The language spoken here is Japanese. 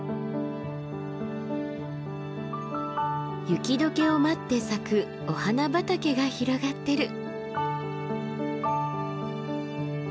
雪解けを待って咲くお花畑が広がってる。